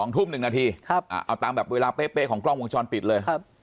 ๒ทุ่ม๑นาทีเอาตามแบบเวลาเป๊ะของกล้องวงจรปิดเลย